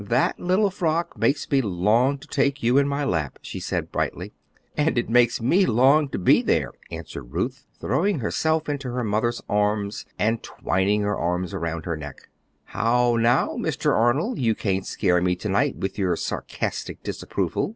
"That little frock makes me long to take you in my lap," said she, brightly. "And it makes me long to be there," answered Ruth, throwing herself into her mother's arms and twining her arms about her neck. "How now, Mr. Arnold, you can't scare me tonight with your sarcastic disapproval!"